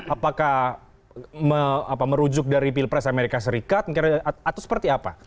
apakah merujuk dari pilpres amerika serikat atau seperti apa